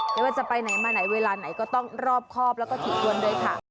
ไม่ว่าจะไปไหนมาไหนเวลาไหนก็ต้องรอบครอบแล้วก็ถี่ถ้วนด้วยค่ะ